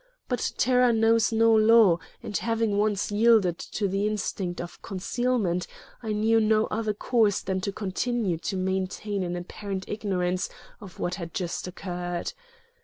But terror knows no law, and having once yielded to the instinct of concealment, I knew no other course than to continue to maintain an apparent ignorance of what had just occurred.